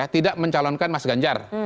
tidak mencalonkan mas ganjar